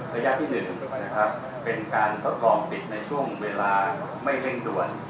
ระยะที่๑เป็นการทดลองปิดในช่วงเวลาไม่เร่งด่วน